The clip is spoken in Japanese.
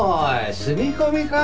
住み込みかあ。